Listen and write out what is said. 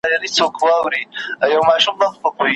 ستا له دنیاګیه ستا له ښاره به وتلی یم